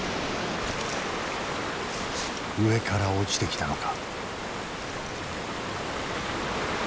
上から落ちてきたのか。